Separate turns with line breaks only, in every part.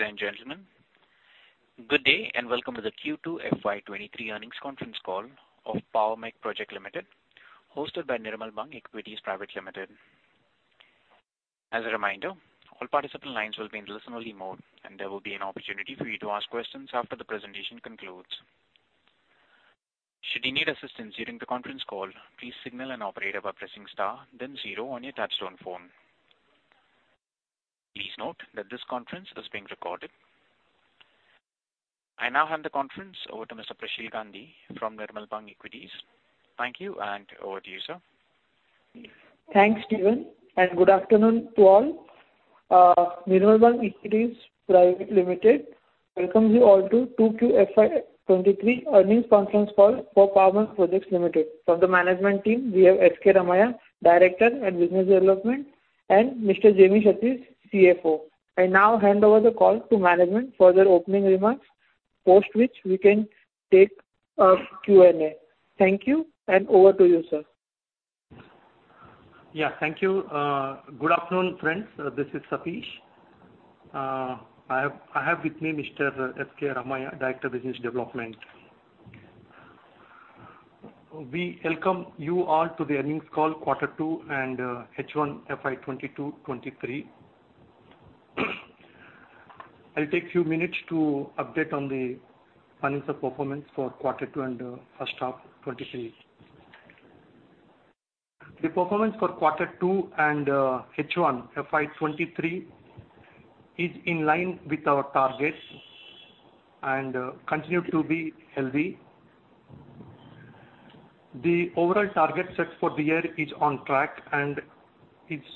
Ladies and gentlemen, good day, and welcome to the Q2 FY 2023 Earnings Conference Call of Power Mech Projects Ltd, hosted by Nirmal Bang Equities Private Ltd. As a reminder, all participant lines will be in listen-only mode, and there will be an opportunity for you to ask questions after the presentation concludes. Should you need assistance during the conference call, please signal an operator by pressing star then zero on your touchtone phone. Please note that this conference is being recorded. I now hand the conference over to Mr. Prasheel Gandhi from Nirmal Bang Equities. Thank you, and over to you, sir.
Thanks, Steven, and good afternoon to all. Nirmal Bang Equities Private Ltd welcomes you all to Q2 FY 2023 Earnings Conference Call for Power Mech Projects Ltd. From the management team, we have S.K. Kodandaramaiah, Director Business Development, and Jami Satish, CFO. I now hand over the call to management for their opening remarks, post which we can take a Q&A. Thank you, and over to you, sir.
Yeah. Thank you. Good afternoon, friends. This is Satish. I have with me Mr. S.K. Kodandaramaiah, Director Business Development. We welcome you all to the earnings call quarter two and H1 FY 2022-2023. I'll take few minutes to update on the financial performance for quarter two and first half 2023. The performance for quarter two and H1 FY 2023 is in line with our target and continue to be healthy. The overall target set for the year is on track, and it's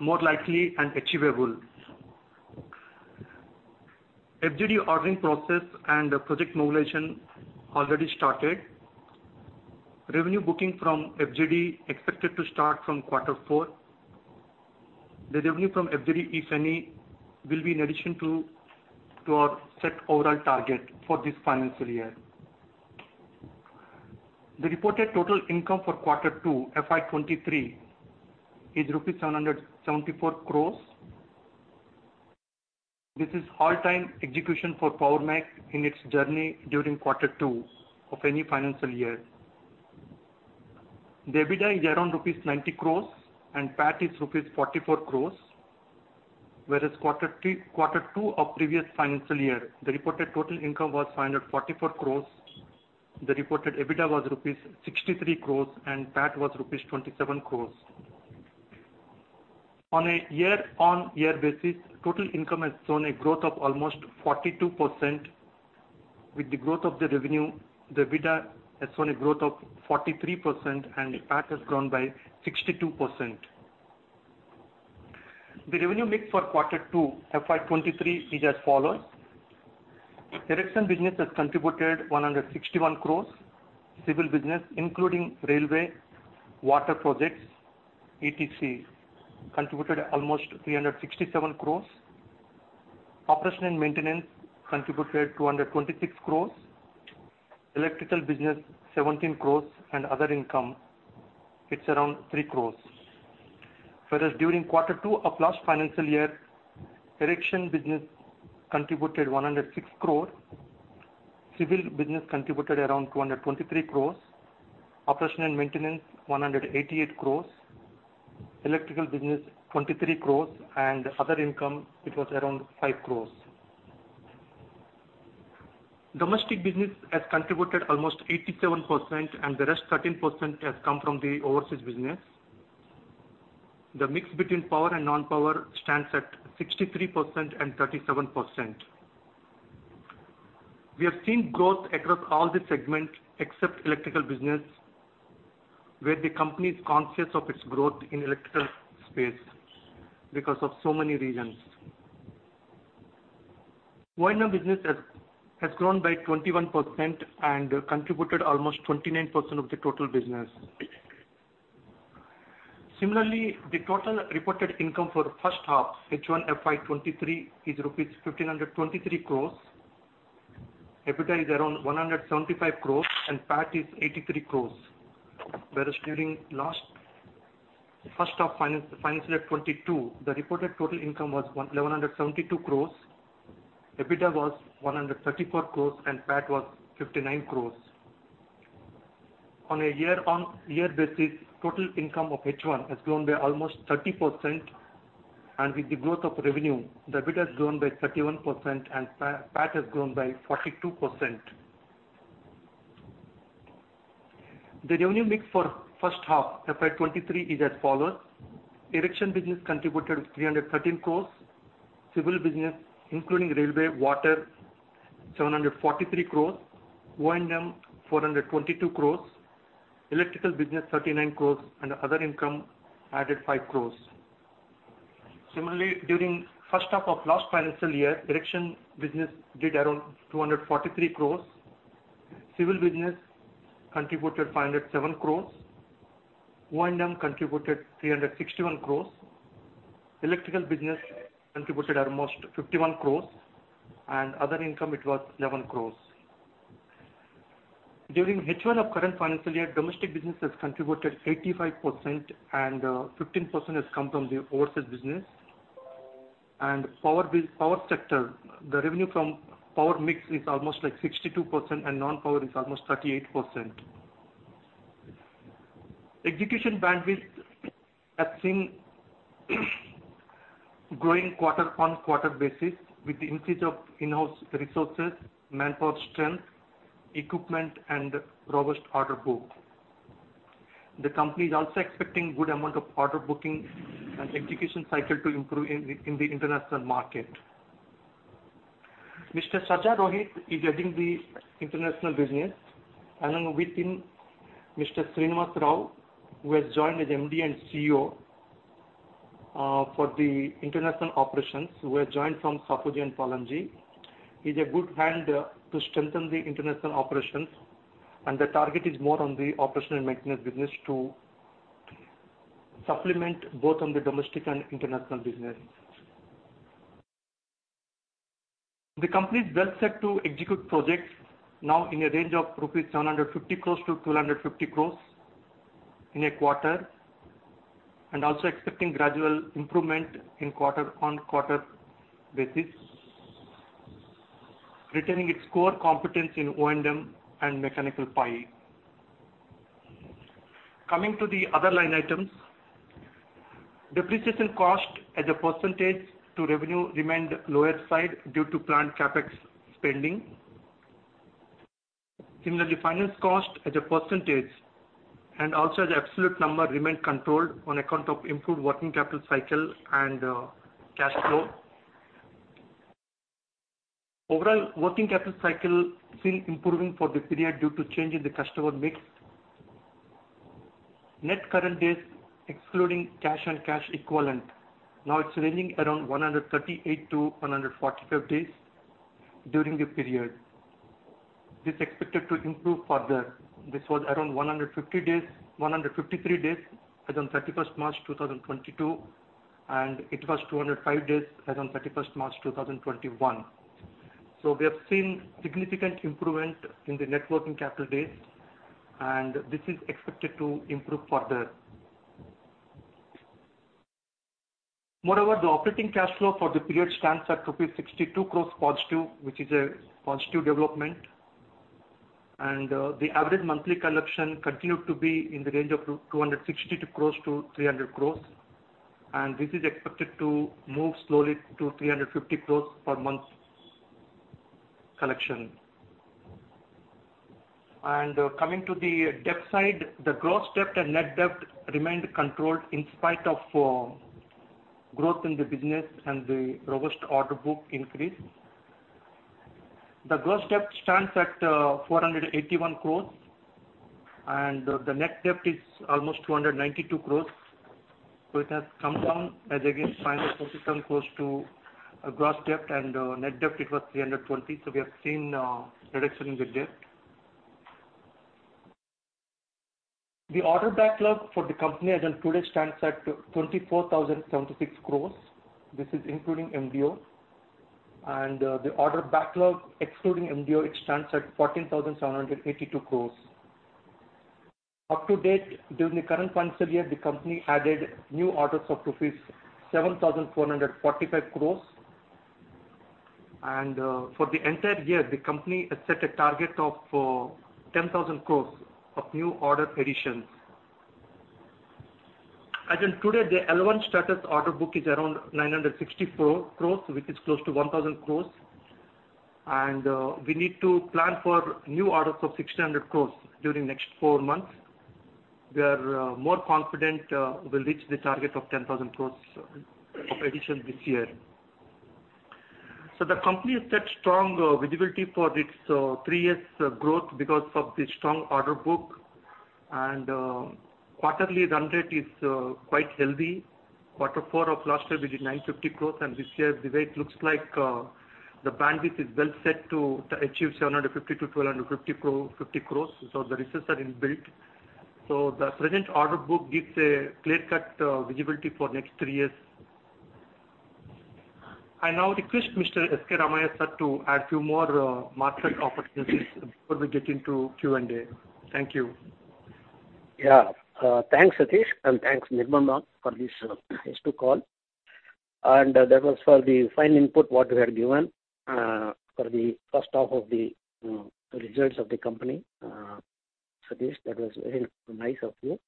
more likely and achievable. FGD ordering process and the project mobilization already started. Revenue booking from FGD expected to start from quarter four. The revenue from FGD, if any, will be in addition to our set overall target for this financial year. The reported total income for quarter two, FY 2023, is INR 774 crores. This is all-time execution for Power Mech in its journey during quarter two of any financial year. The EBITDA is around rupees 90 crores and PAT is rupees 44 crores, whereas quarter two of previous financial year, the reported total income was 544 crores, the reported EBITDA was rupees 63 crores and PAT was rupees 27 crores. On a YoY basis, total income has shown a growth of almost 42%. With the growth of the revenue, the EBITDA has shown a growth of 43% and PAT has grown by 62%. The revenue mix for quarter two, FY 2023, is as follows: erection business has contributed 161 crores, civil business, including railway, water projects, etc., contributed almost 367 crores, operation and maintenance contributed 226 crores, electrical business 17 crores and other income, it's around 3 crores. Whereas during quarter two of last financial year, erection business contributed 106 crore, civil business contributed around 223 crores, operation and maintenance 188 crores, electrical business 23 crores and other income, it was around 5 crores. Domestic business has contributed almost 87%, and the rest 13% has come from the overseas business. The mix between power and non-power stands at 63% and 37%. We have seen growth across all the segments except electrical business, where the company is conscious of its growth in electrical space because of so many reasons. O&M business has grown by 21% and contributed almost 29% of the total business. Similarly, the total reported income for the first half, H1 FY 2023, is rupees 1,523 crore. EBITDA is around 175 crore and PAT is 83 crore. Whereas during last first half financial 2022, the reported total income was 172 crore, EBITDA was 134 crore, and PAT was 59 crore. On a YoY basis, total income of H1 has grown by almost 30%, and with the growth of revenue, the EBITDA has grown by 31% and PAT has grown by 42%. The revenue mix for first half, FY 2023, is as follows: erection business contributed 313 crore, civil business, including railway, water, 743 crore, O&M 422 crore, electrical business 39 crore and other income added 5 crore. Similarly, during first half of last financial year, erection business did around 243 crore, civil business contributed 507 crore, O&M contributed 361 crore, electrical business contributed almost 51 crore and other income it was 11 crore. During H1 of current financial year, domestic business has contributed 85% and 15% has come from the overseas business. Power sector, the revenue from power mix is almost like 62% and non-power is almost 38%. Execution bandwidth has seen growing QoQ basis with the increase of in-house resources, manpower strength, equipment and robust order book. The company is also expecting good amount of order booking and execution cycle to improve in the, in the international market. Mr. Sajja Rohit is heading the international business, and with him, Mr. N. Srinivasa Rao, who has joined as MD and CEO for the international operations, who has joined from Shapoorji Pallonji. He's a good hand to strengthen the international operations, and the target is more on the operation and maintenance business to supplement both on the domestic and international businesses. The company is well set to execute projects now in a range of 750 crore-1,250 crore rupees in a quarter, and also expecting gradual improvement in QoQ basis, retaining its core competence in O&M and Mechanical, C&I. Coming to the other line items, depreciation cost as a percentage to revenue remained lower side due to planned CapEx spending. Similarly, finance cost as a percentage and also as absolute number, remained controlled on account of improved working capital cycle and cash flow. Overall, working capital cycle still improving for the period due to change in the customer mix. Net current days, excluding cash and cash equivalent, now it's ranging around 138 to 145 days during the period. This is expected to improve further. This was around 150 days, 153 days, as on March 31st, 2022, and it was 205 days as on March 31st, 2021. So we have seen significant improvement in the net working capital days, and this is expected to improve further. Moreover, the operating cash flow for the period stands at rupees 62 crore+, which is a positive development. The average monthly collection continued to be in the range of 262 crore-300 crore, and this is expected to move slowly to 350 crore per month collection. Coming to the debt side, the gross debt and net debt remained controlled in spite of growth in the business and the robust order book increase. The gross debt stands at 481 crore, and the net debt is almost 292 crore. It has come down as against financial close to a gross debt and net debt, it was 320 crore. We have seen a reduction in the debt. The order backlog for the company as included stands at 24,076 crores. This is including MDO. The order backlog, excluding MDO, it stands at 14,782 crores. Up to date, during the current financial year, the company added new orders of rupees 7,445 crores. For the entire year, the company has set a target of 10,000 crores of new order additions. As included, the L1 status order book is around 964 crores, which is close to 1,000 crores. We need to plan for new orders of 1,600 crores during next four months. We are more confident we'll reach the target of 10,000 crores of addition this year. The company has set strong visibility for its three years' growth because of the strong order book. Quarterly run rate is quite healthy. Quarter four of last year, we did 950 crore, and this year, the way it looks like, the bandwidth is well set to achieve 750 crore-1,250 crore, so the reserves are in built. The present order book gives a clear-cut visibility for next three years. I now request Mr. S.K. Kodandaramaiah, sir, to add few more market opportunities before we get into Q&A. Thank you.
Yeah. Thanks, Satish, and thanks, Nirmal, for this, to call. That was for the fine input what you had given, for the first half of the results of the company. Satish, that was very nice of you.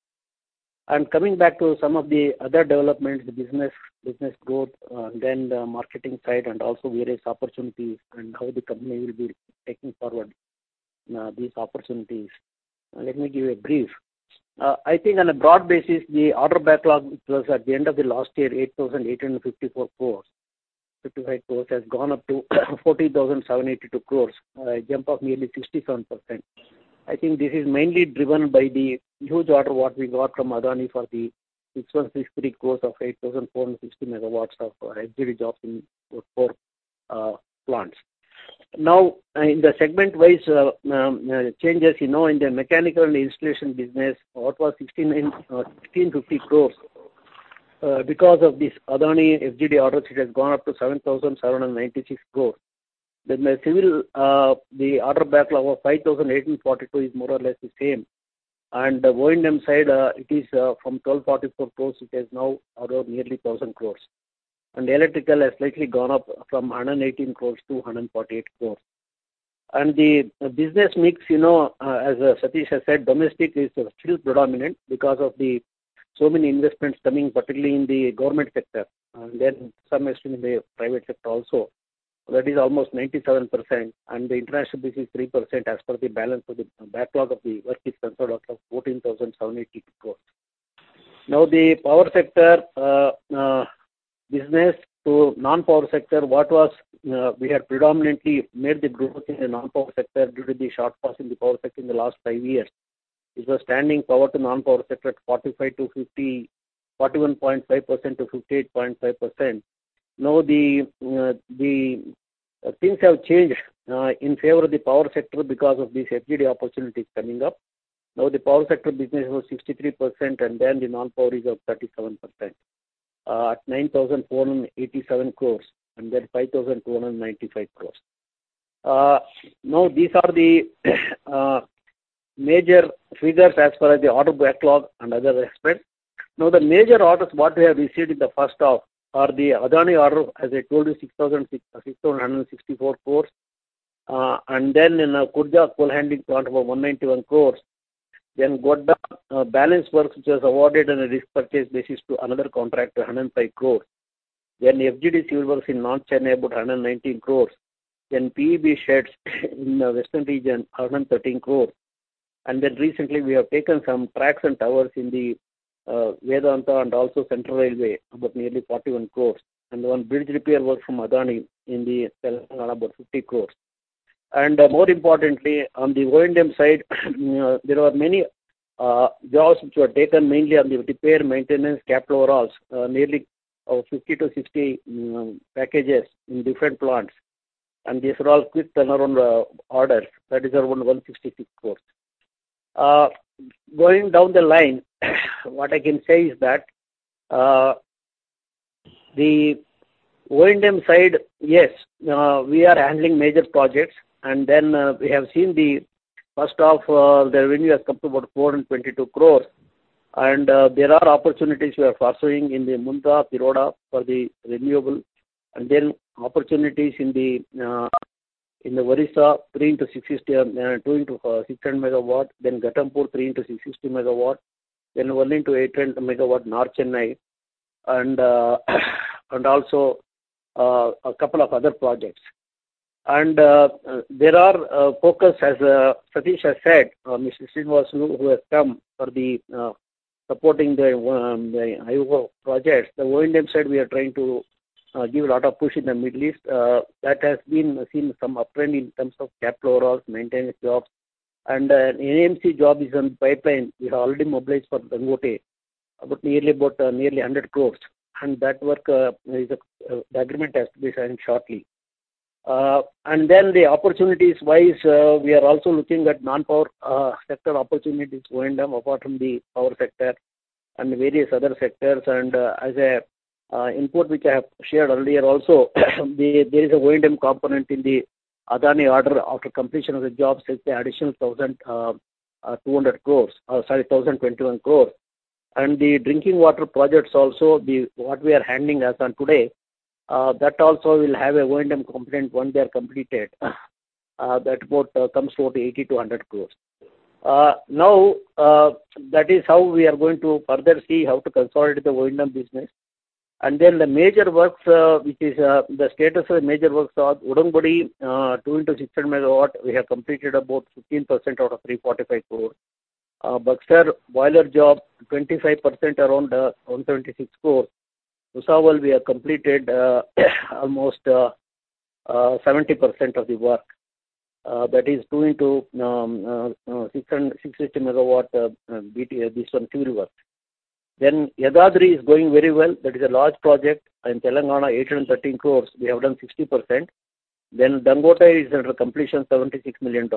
Coming back to some of the other developments, the business, business growth, then the marketing side, and also various opportunities and how the company will be taking forward, these opportunities. Let me give you a brief. I think on a broad basis, the order backlog, it was at the end of the last year, 8,854 crores, 55 crores, has gone up to 40,782 crores, a jump of nearly 67%. I think this is mainly driven by the huge order, what we got from Adani for the 6,163 crore of 8,460 MW of, you know, IPP jobs in four, you know, plants. Now, in the segment-wise, you know, changes, you know, in the mechanical and installation business, what was 1,650 crore... you know, because of this Adani FGD orders, it has gone up to 7,796 crore. The civil, you know, the order backlog of 5,842 crore is more or less the same. On the O&M side, you know, it is, you know, from 1,244 crore, it is now around nearly 1,000 crore. Electrical has slightly gone up from 118 crore to 148 crore. The business mix, you know, as Satish has said, domestic is still predominant because of the so many investments coming, particularly in the government sector, and then some investment in the private sector also. That is almost 97%, and the international business is 3% as per the balance of the backlog of the work is concerned, of 14,782 crores. Now, the power sector business to non-power sector, what was, we had predominantly made the growth in the non-power sector due to the shortfalls in the power sector in the last five years. It was standing power to non-power sector at 45%-50%, 41.5%-58.5%. Now, the things have changed in favor of the power sector because of these FGD opportunities coming up. Now, the power sector business was 63%, and the non-power is 37%, at 9,487 crore, and 5,295 crore. These are the major figures as far as the order backlog and other aspects. The major orders we have received in the first half are the Adani order, as I told you, 6,664 crore, in a Kudgi coal handling plant about 191 crore, Godda balance works, which was awarded on a risk purchase basis to another contractor, 105 crore, FGD civil works in North Chennai, about 119 crore, and PEB sheds in the western region, 113 crore. And then recently, we have taken some tracks and towers in the, Vedanta and also Central Railway, about nearly 41 crores, and one bridge repair work from Adani in the Telangana, about 50 crores. And more importantly, on the O&M side, there are many, jobs which were taken mainly on the repair, maintenance, capital overhauls, nearly, 50-60, packages in different plants, and these are all quick turnaround, orders. That is around 166 crores. Going down the line, what I can say is that, the O&M side, yes, we are handling major projects, and then, we have seen the first half, the revenue has come to about 422 crores. There are opportunities we are pursuing in the Mundra, Tiroda for the renewable, and then opportunities in the, in the Odisha, 3 x 660 MW, 2 x 600 MW, then Ghatampur, 3 x 660 MW, then 1 x 800 MW, North Chennai, and, and also, a couple of other projects. And, there are, focus, as, Satish has said, Mr. Srinivasa Rao, who has come for the, supporting the, the O&M projects. The O&M side, we are trying to, give a lot of push in the Middle East. That has been seeing some uptrend in terms of capital overhauls, maintenance jobs, and, O&M job is in the pipeline. We have already mobilized for Dangote, about nearly, about, nearly 100 crores, and that work is the agreement has to be signed shortly. And then the opportunities wise, we are also looking at non-power sector opportunities, O&M, apart from the power sector and various other sectors. And, as a input, which I have shared earlier also, the- there is a O&M component in the Adani order. After completion of the jobs, it's an additional 1,000, 200 crores, sorry, 1,021 crore. And the drinking water projects also, the... What we are handling as on today, that also will have a O&M component once they are completed. That about comes to 80-100 crores. Now, that is how we are going to further see how to consolidate the O&M business. The major works, which is, the status of the major works are Udangudi, 2 x 600 MW, we have completed about 15% out of 345 crore. Buxar boiler job, 25%, around 176 crore. Bhusawal, we have completed almost 70% of the work. That is 2 x 660 MW, BTG, this one fuel work. Yadadri is going very well. That is a large project in Telangana, 813 crore. We have done 60%. Dangote is under completion, $76 million.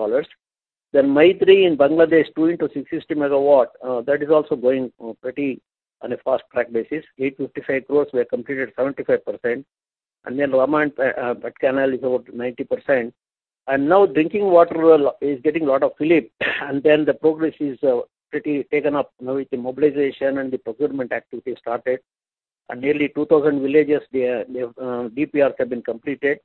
Maitree in Bangladesh, 2 x 660 MW, that is also going pretty on a fast track basis. 855 crore, we have completed 75%. Ramayampet Canal is about 90%. And now drinking water is getting a lot of fillip, and then the progress is pretty taken up now with the mobilization and the procurement activity started. And nearly 2,000 villages, the DPRs have been completed.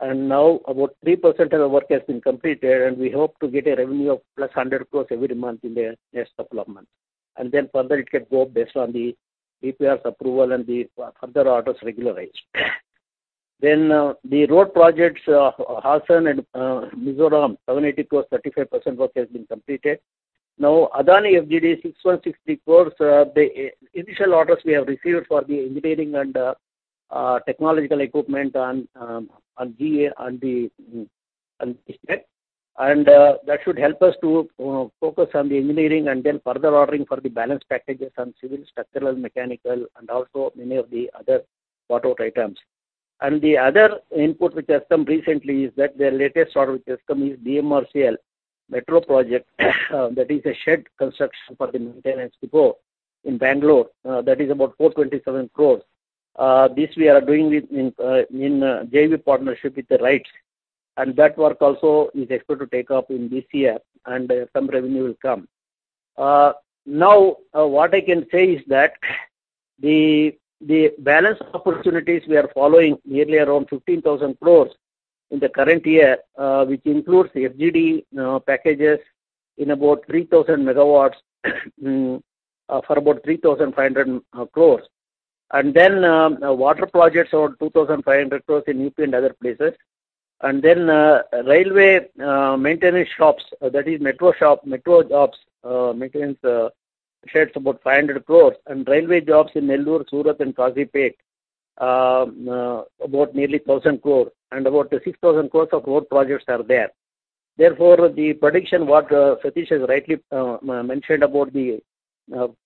And now about 3% of the work has been completed, and we hope to get a revenue of +100 crores every month in the next couple of months. And then further it can go based on the DPR's approval and the further orders regularized. Then the road projects, Hassan and Mizoram, 780 crores, 35% work has been completed. Now, Adani FGD, 616 crores, the initial orders we have received for the engineering and technological equipment on GA, on the site. That should help us to focus on the engineering and then further ordering for the balance packages on civil, structural, mechanical, and also many of the other bought out items. The other input which has come recently is that their latest order which has come is BMRC metro project, that is a shed construction for the maintenance depot in Bangalore. That is about 427 crore. This we are doing it in JV partnership with the RITES, and that work also is expected to take off in this year, and some revenue will come. Now, what I can say is that the balance opportunities we are following, nearly around 15,000 crore in the current year, which includes the FGD packages in about 3,000 MW, for about 3,500 crore. Water projects, around 2,500 crore in UP and other places. Railway maintenance shops, that is metro shop, metro jobs, maintenance sheds, about 500 crore. Railway jobs in Nellore, Surat and Kazipet, about nearly 1,000 crore, and about 6,000 crore of road projects are there. Therefore, the prediction what Satish has rightly mentioned about the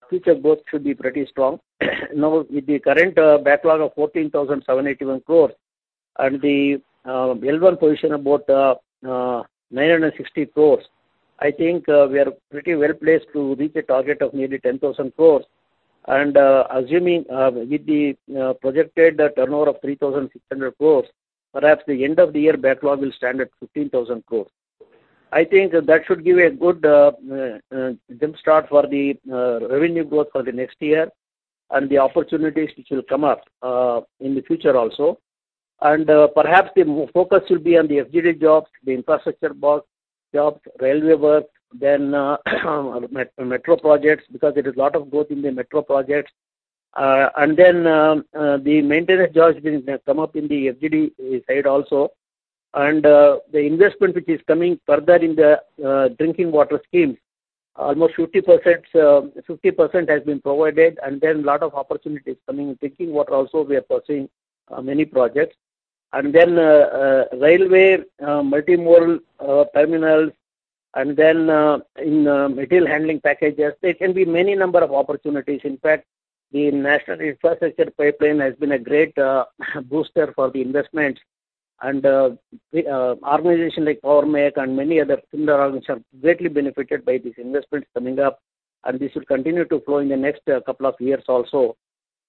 future growth should be pretty strong. Now, with the current backlog of 14,781 crore and the L1 position about 960 crore, I think we are pretty well placed to reach a target of nearly 10,000 crore. Assuming, with the projected turnover of 3,600 crore, perhaps the end of the year backlog will stand at 15,000 crore. I think that should give a good jump start for the revenue growth for the next year and the opportunities which will come up in the future also. Perhaps the focus will be on the FGD jobs, the infrastructure box jobs, railway work, then metro projects, because there is a lot of growth in the metro projects. And then, the maintenance jobs will come up in the FGD side also. The investment which is coming further in the drinking water schemes, almost 50% has been provided, and then a lot of opportunities coming. In drinking water also, we are pursuing many projects. Railway, multi-modal terminals, and in material handling packages, there can be many number of opportunities. In fact, the National Infrastructure Pipeline has been a great booster for the investments. We, organization like Power Mech and many other similar organizations, have greatly benefited by these investments coming up, and this will continue to flow in the next couple of years also.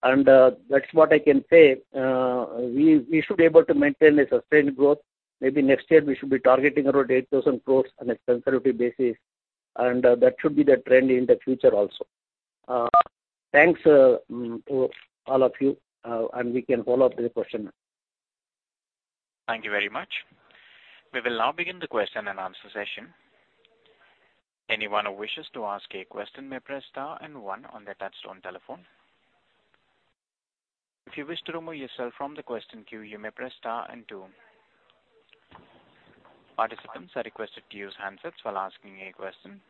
That's what I can say. We should be able to maintain a sustained growth. Maybe next year, we should be targeting around 8,000 crore on a conservative basis, and that should be the trend in the future also. Thanks, all of you, and we can follow up with the question.
Thank you very much. We will now begin the question-and-answer session. Anyone who wishes to ask a question may press star and one on their touchtone telephone. If you wish to remove yourself from the question queue, you may press star and two. Participants are requested to use handsets while asking a question.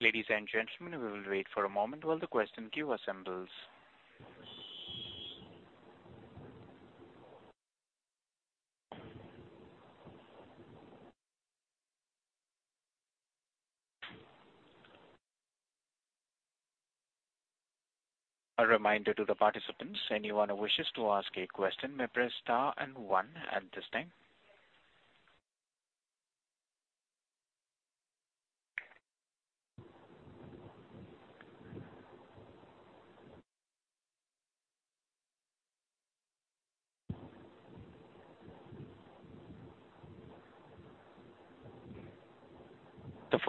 Ladies and gentlemen, we will wait for a moment while the question queue assembles. A reminder to the participants, anyone who wishes to ask a question may press star and one at this time.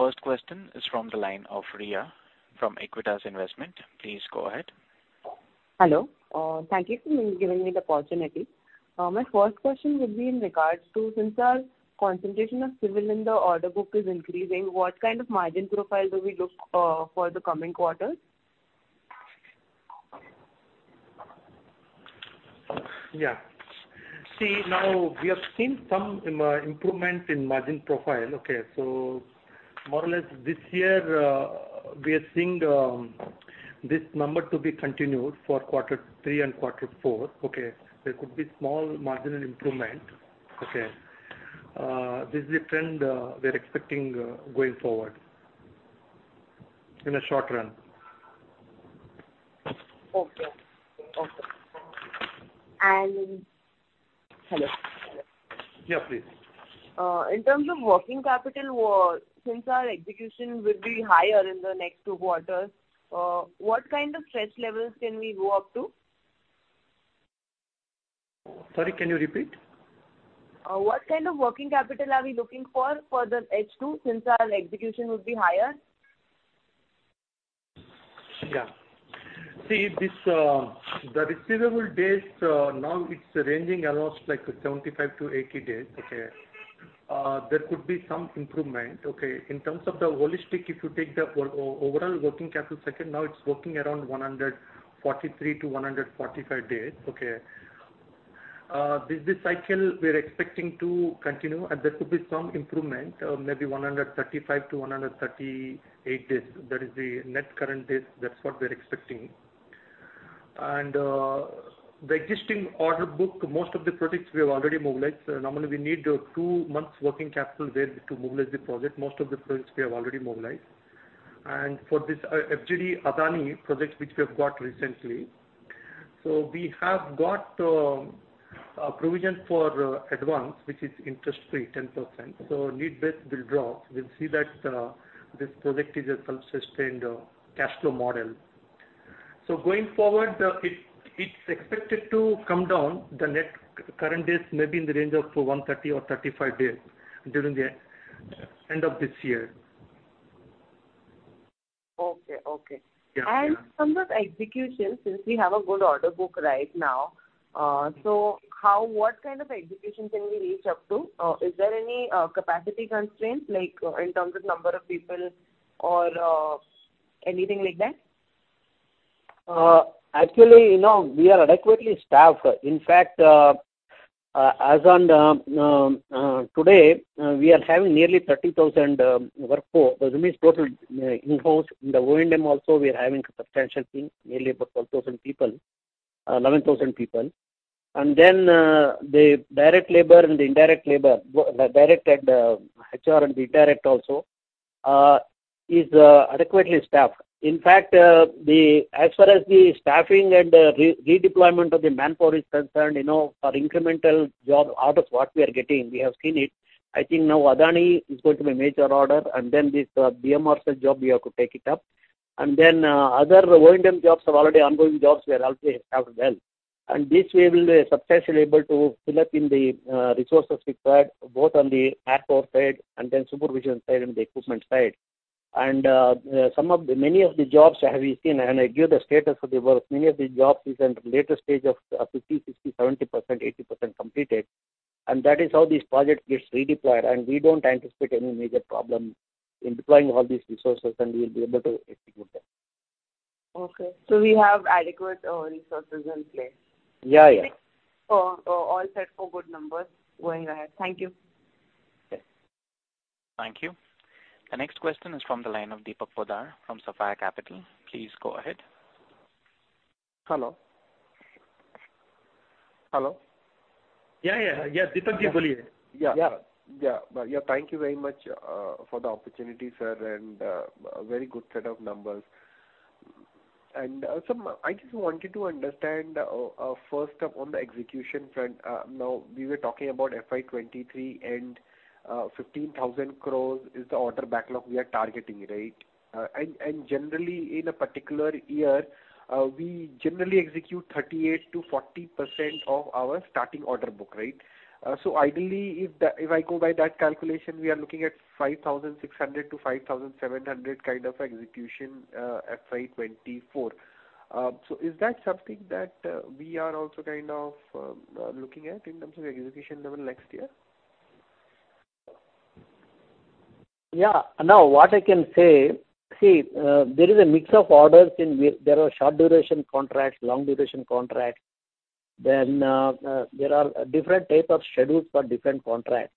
The first question is from the line of Riya from Aequitas Investments. Please go ahead.
Hello. Thank you for giving me the opportunity. My first question would be in regards to, since our concentration of civil in the order book is increasing, what kind of margin profile do we look for the coming quarters?
Yeah. See, now, we have seen some improvement in margin profile, okay? So more or less this year, we are seeing this number to be continued for quarter three and quarter four, okay? There could be small marginal improvement, okay. This is a trend we're expecting going forward in the short run.
Okay. Okay. And... Hello?
Yeah, please.
In terms of working capital, well, since our execution will be higher in the next two quarters, what kind of stretch levels can we go up to?
Sorry, can you repeat?
What kind of working capital are we looking for, for the H2, since our execution would be higher?
Yeah. See, this, the receivable days, now it's ranging around like 75-80 days, okay? There could be some improvement, okay? In terms of the holistic, if you take the overall working capital cycle, now it's working around 143-145 days, okay? This cycle, we're expecting to continue, and there could be some improvement, maybe 135-138 days. That is the net current days. That's what we're expecting. The existing order book, most of the projects we have already mobilized. Normally we need two months working capital there to mobilize the project. Most of the projects we have already mobilized. For this FGD Adani project, which we have got recently. We have got a provision for advance, which is interest-free 10%, so need-based withdraw. We'll see that this project is a self-sustained cash flow model. So going forward, it's expected to come down, the net current is maybe in the range of 130 or 135 days during the end of this year.
Okay. Okay.
Yeah, yeah.
Some of the execution, since we have a good order book right now, so what kind of execution can we reach up to? Is there any capacity constraints, like, in terms of number of people or anything like that?
Actually, no, we are adequately staffed. In fact, as on today, we are having nearly 30,000 workforce. That means total in-house. In the O&M also, we are having substantial team, nearly about 12,000 people, eleven thousand people. And then the direct labor and the indirect labor, the direct and HR and the indirect also is adequately staffed. In fact, the... As far as the staffing and redeployment of the manpower is concerned, you know, for incremental job orders, what we are getting, we have seen it. I think now Adani is going to be a major order, and then this BMRCL job, we have to take it up. And then other O&M jobs are already ongoing jobs, we are also staffed well. This way, we'll be substantially able to fill up in the resources required, both on the manpower side and then supervision side and the equipment side. Some of the many of the jobs as we've seen, and I give the status of the work, many of these jobs is in later stage of 50%, 60%, 70%, 80% completed, and that is how this project gets redeployed. We don't anticipate any major problem in deploying all these resources, and we will be able to execute them.
Okay. So we have adequate resources in place?
Yeah, yeah.
So, all set for good numbers going ahead. Thank you.
Okay.
Thank you. The next question is from the line of Deepak Poddar from Sapphire Capital. Please go ahead.
Hello? Hello.
Yeah, yeah, yeah, Deepakji, boliye.
Yeah. Yeah. Yeah, thank you very much for the opportunity, sir, and very good set of numbers. So I just wanted to understand, first up on the execution front, now we were talking about FY 2023, and fifteen thousand crores is the order backlog we are targeting, right? And generally, in a particular year, we generally execute 38%-40% of our starting order book, right? So ideally, if I go by that calculation, we are looking at 5,600 crore-5,700 crore kind of execution, FY 2024. So is that something that we are also kind of looking at in terms of execution level next year?
Yeah. Now, what I can say, see, there is a mix of orders where there are short duration contracts, long duration contracts, there are different type of schedules for different contracts,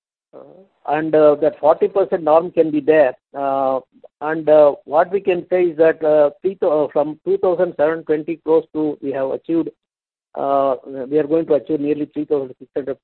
and that 40% norm can be there. What we can say is that from 2,720 crore we have achieved, we are going to achieve nearly 3,600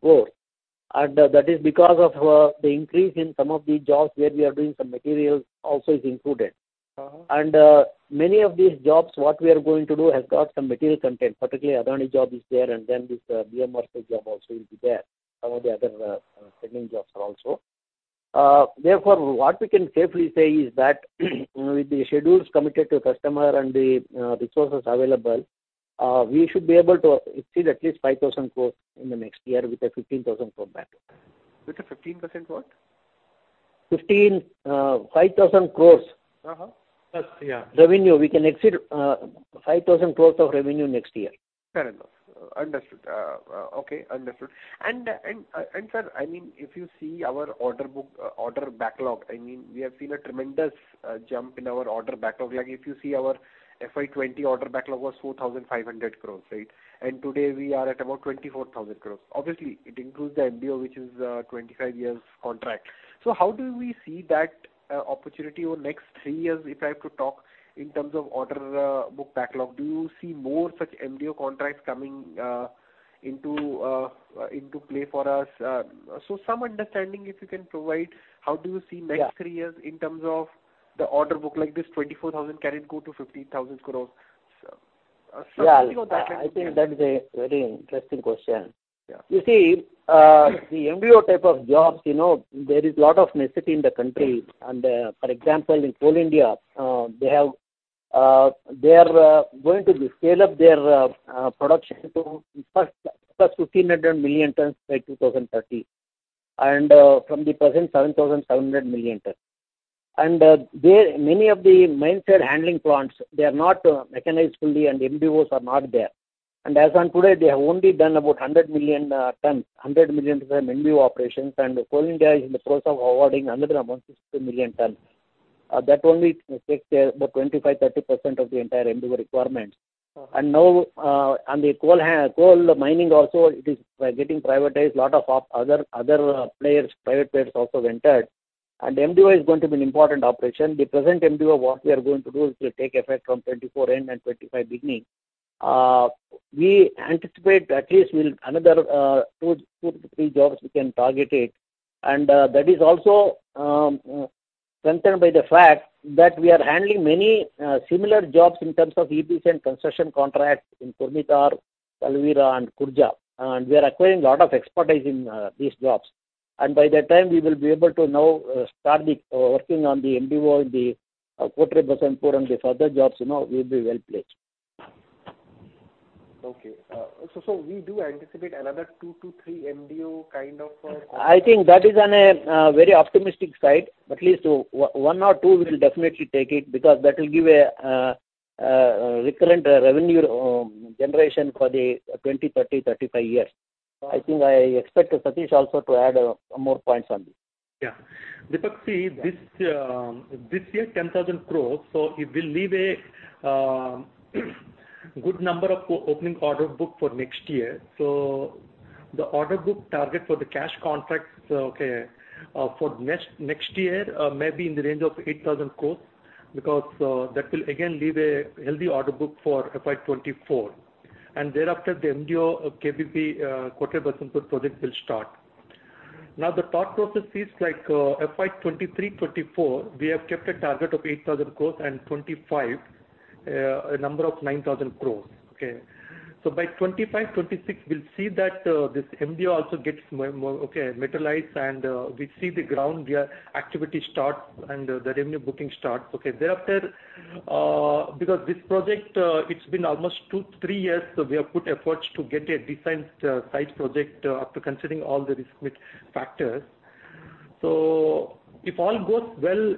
crore. That is because of the increase in some of the jobs where we are doing some materials also is included.
Uh-huh.
Many of these jobs, what we are going to do, has got some material content, particularly Adani job is there, and then this, BMRCL job also will be there. Some of the other, scheduling jobs are also. Therefore, what we can safely say is that, with the schedules committed to customer and the, resources available, we should be able to exceed at least 5,000 crore in the next year with a 15,000 crore backlog.
With a 15% what?
15, 15,000 crores.
Uh-huh. Yeah.
Revenue. We can exceed 5,000 crore of revenue next year.
Fair enough. Understood. Okay, understood. And, sir, I mean, if you see our order book, order backlog, I mean, we have seen a tremendous jump in our order backlog. Like, if you see our FY 2020 order backlog was 4,500 crores, right? And today, we are at about 24,000 crores. Obviously, it includes the MDO, which is 25 years contract. So how do we see that opportunity over next three years, if I have to talk in terms of order book backlog? Do you see more such MDO contracts coming into play for us? So some understanding, if you can provide, how do you see-
Yeah...
next three years in terms of the order book, like this 24,000 crore, can it go to 15,000 crore? So, something on that line.
Yeah, I think that is a very interesting question.
Yeah.
You see, the MDO type of jobs, you know, there is a lot of necessity in the country. For example, in Coal India, they have, they are going to scale up their production to plus plus 1,500 million tons by 2030, and from the present 7,700 million tons. There, many of the mine site handling plants, they are not mechanized fully, and MDOs are not there. And as on today, they have only done about 100 million tons, 100 million ton MDO operations, and Coal India is in the process of awarding another amount, 60 million ton. That only takes the 25%-30% of the entire MDO requirement.
Uh-huh.
And now, on the coal mining also, it is getting privatized. Lot of other players, private players also entered, and MDO is going to be an important operation. The present MDO, what we are going to do, is to take effect from 2024 end and 2025 beginning. We anticipate at least with another two to three jobs we can target it. And that is also strengthened by the fact that we are handling many similar jobs in terms of EPC and construction contracts in Kurnool, Talcher, and Kudgi, and we are acquiring a lot of expertise in these jobs. And by that time, we will be able to now start the working on the MDO and the Kotre Basantpur, and the further jobs, you know, we'll be well-placed.
Okay. So we do anticipate another two to three MDO kind of,
I think that is on a very optimistic side, at least one or two will definitely take it, because that will give a recurrent revenue generation for the 20, 30, 35 years. So I think I expect Satish also to add more points on this.
Yeah. Deepak, see, this year, 10,000 crore, so it will leave a good number of opening order book for next year. The order book target for the cash contracts, okay, for next year, may be in the range of 8,000 crore, because that will again leave a healthy order book for FY 2024. Thereafter, the MDO, KBP, Kotra Basantpur project will start. Now, the thought process is like, FY 2023-2024, we have kept a target of 8,000 crore and 2025, a number of 9,000 crore, okay? By 2025-2026, we'll see that this MDO also gets more, more materialized, and we see the ground via activity start and the revenue booking starts. Okay, thereafter, because this project, it's been almost two, three years, so we have put efforts to get a decent, size project, after considering all the risk factors. So if all goes well,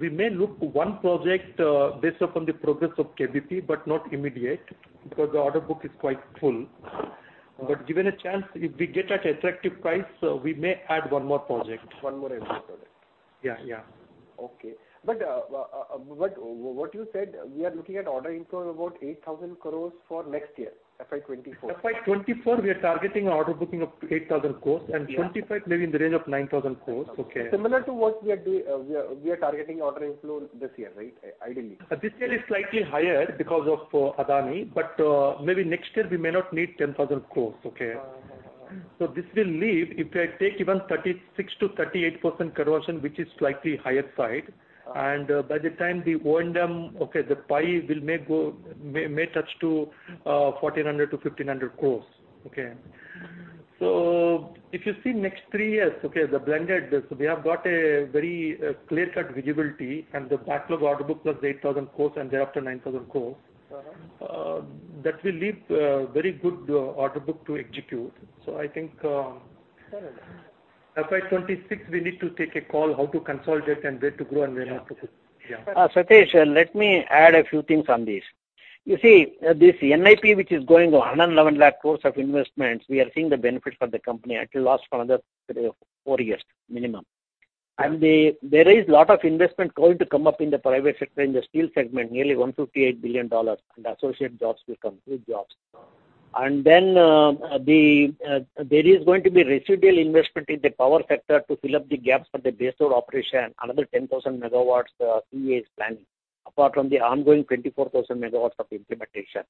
we may look one project, based upon the progress of KBP, but not immediate, because the order book is quite full. But given a chance, if we get at attractive price, we may add one more project.
One more MDO project.
Yeah, yeah.
Okay. But what you said, we are looking at order inflow of about 8,000 crore for next year, FY 2024.
FY 2024, we are targeting order booking of 8,000 crore-
Yeah.
and 25, maybe in the range of 9,000 crore, okay.
Similar to what we are, we are targeting order inflow this year, right? Ideally.
This year is slightly higher because of Adani, but maybe next year, we may not need 10,000 crore, okay?
Uh-huh.
This will leave, if I take even 36%-38% conversion, which is slightly higher side, and by the time the O&M, okay, the pie may go, may touch to, 1,400 crore-1,500 crore, okay? If you see next three years, okay, the blended, we have got a very, clear-cut visibility and the backlog order book was 8,000 crore, and thereafter, 9,000 crore.
Uh-huh.
That will leave very good order book to execute. So I think,
Uh-huh.
FY 2026, we need to take a call, how to consolidate and where to grow and where not to grow. Yeah.
Satish, let me add a few things on this. You see, this NIP, which is going on, 11,100,000 crore of investments, we are seeing the benefits for the company, it will last for another three to four years, minimum.
Uh-huh.
There is a lot of investment going to come up in the private sector, in the steel segment, nearly $158 billion, and associate jobs will come, good jobs. There is going to be residual investment in the power sector to fill up the gaps for the base load operation, another 10,000 MW, CEA is planning, apart from the ongoing 24,000 MW of implementation.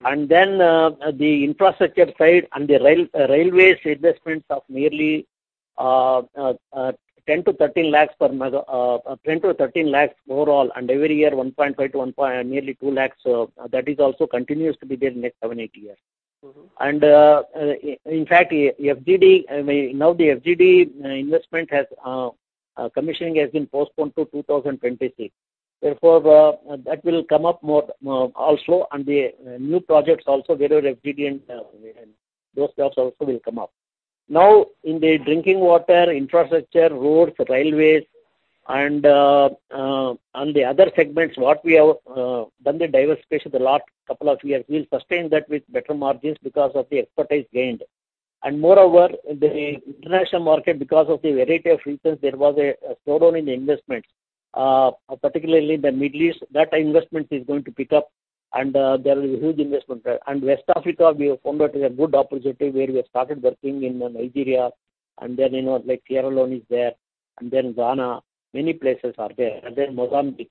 The infrastructure side and the rail, railways investments of nearly 1,000,000 lakh-1,300,000 lakh overall, and every year, 1.5 lakh-2 lakh, that is also continues to be there in the next seven, eight years.
Mm-hmm.
In fact, FGD, I mean, now the FGD investment has commissioning has been postponed to 2026. Therefore, that will come up more, also, and the new projects also where there are FGD, those jobs also will come up. Now, in the drinking water, infrastructure, roads, railways, and on the other segments, what we have done the diversification the last couple of years, we'll sustain that with better margins because of the expertise gained. And moreover, the international market, because of the variety of reasons, there was a slowdown in the investments, particularly in the Middle East. That investment is going to pick up, and there will be huge investment there. West Africa, we have found out a good opportunity where we have started working in Nigeria, and then, you know, like Sierra Leone is there, and then Ghana, many places are there, and then Mozambique.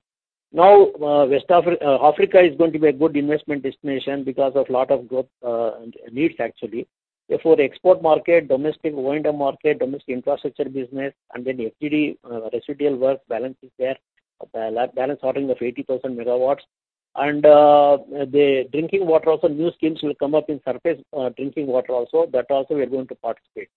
Now, West Africa is going to be a good investment destination because of lot of growth needs, actually. Therefore, the export market, domestic O&M market, domestic infrastructure business, and then FGD residual work balance is there, balance ordering of 80,000 MW. And the drinking water, also new schemes will come up in surface drinking water also. That also we are going to participate.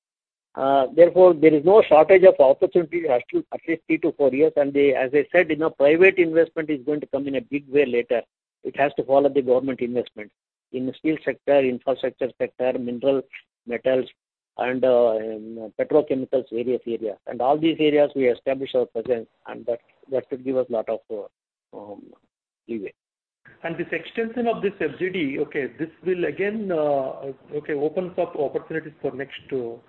Therefore, there is no shortage of opportunities at least three to four years. And, as I said, you know, private investment is going to come in a big way later. It has to follow the government investment in the steel sector, infrastructure sector, mineral, metals, and petrochemicals, various area. All these areas, we establish our presence, and that will give us a lot of leeway.
This extension of this FGD, okay, this will again, okay, opens up opportunities for next two